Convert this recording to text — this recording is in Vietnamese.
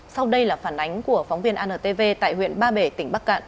sau đây là phản ánh của phóng viên antv tại huyện ba bể tỉnh bắc cạn